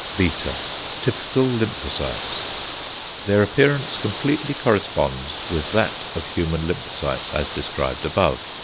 ([beta]) Typical lymphocytes. Their appearance completely corresponds with that of human lymphocytes as described above.